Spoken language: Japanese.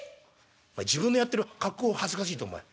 「お前自分のやってる格好を恥ずかしいと思え。